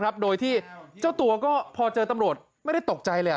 โดยที่เจ้าตัวก็พอเจอตำรวจไม่ได้ตกใจเลย